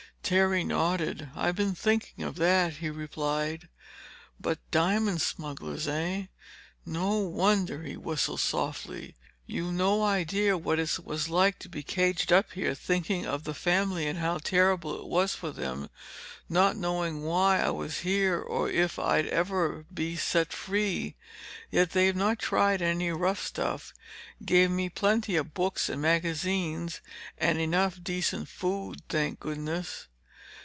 Terry nodded. "I've been thinking of that," he replied. "But diamond smugglers, eh! No wonder—" he whistled softly. "You've no idea what it was like to be caged up here—thinking of the family and how terrible it was for them—not knowing why I was here, or if I'd ever be set free. Yet they've not tried any rough stuff. Gave me plenty of books and magazines, and enough decent food, thank goodness!"